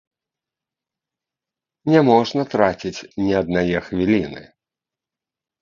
Не можна траціць ні аднае хвіліны.